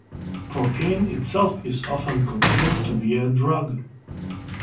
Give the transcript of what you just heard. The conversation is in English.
Procaine itself is often considered to be a drug.